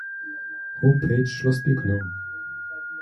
Homepage Schloss Birkenau